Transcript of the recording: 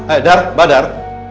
eh dar badar